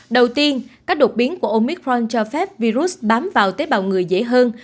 đầu tiên các đột biến của omicron cho phép virus bám vào tế bào người dễ hơn